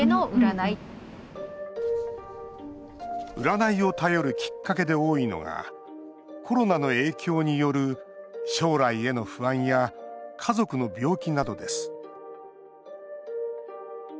占いを頼るきっかけで多いのがコロナの影響による将来への不安や家族の病気などです。